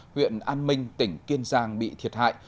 huyện an minh tỉnh kiên giang bị thiệt hại